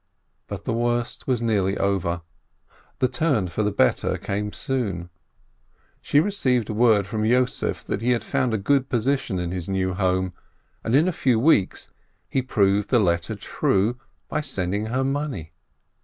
But the worst was nearly over ; the turn for the better came soon. She received word from Yossef that he had found a good position in his new home, and in a few weeks he proved his letter true by sending her money.